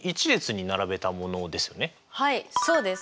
はいそうです。